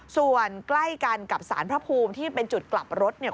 ส่วนใกล้กันกับสารพระภูมิที่เป็นจุดกลับรถเนี่ย